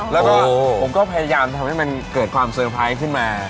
แล้วก็ผมก็พยายามทำให้มันเกิดความเซอร์ไพรส์ขึ้นมา